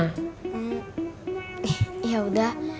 ih ya udah